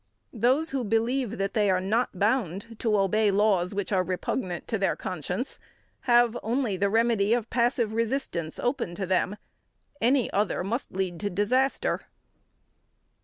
Those who believe that they are not bound to obey laws which are repugnant to their conscience have only the remedy of passive resistance open to them. Any other must lead to disaster.